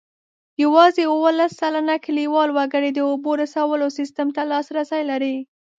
یوازې اوولس سلنه کلیوال وګړي د اوبو رسولو سیسټم ته لاسرسی لري.